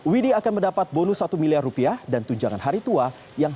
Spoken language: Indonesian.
widi akan mendapat bonus satu miliar rupiah dan tunjangan hari tua yang